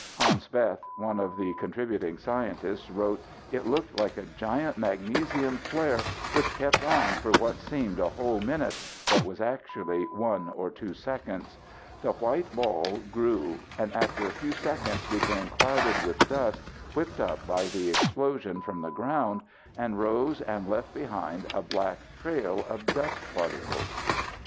Hans Bethe, one of the contributing scientists, wrote "it looked like a giant magnesium flare which kept on for what seemed a whole minute but was actually one or two seconds. The white ball grew and after a few seconds became clouded with dust whipped up by the explosion from the ground and rose and left behind a black trail of dust particles."